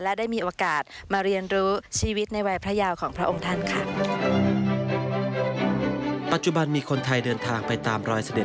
และได้มีโอกาสมาเรียนรู้ชีวิตในวัยพระยาวของพระองค์ท่านค่ะ